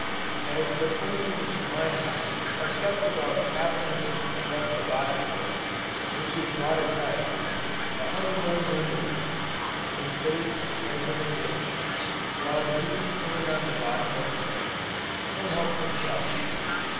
As the frames in my hive are kept about half an inch above the bottom board, which is water tight, the honey runs under them, and is as safe as in a dish, while the bees stand on the bottom of the frames, and help themselves.